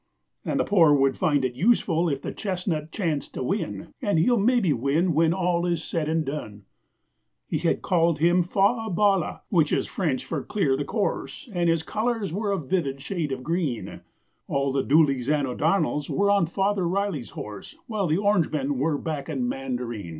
And the poor would find it useful, if the chestnut chanced to win, And he'll maybe win when all is said and done!' He had called him Faugh a ballagh, which is French for clear the course, And his colours were a vivid shade of green: All the Dooleys and O'Donnells were on Father Riley's horse, While the Orangemen were backing Mandarin!